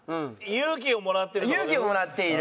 「勇気をもらっている」。